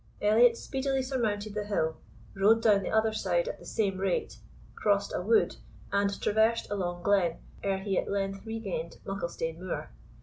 Elliot speedily surmounted the hill, rode down the other side at the same rate, crossed a wood, and traversed a long glen, ere he at length regained Mucklestane Moor.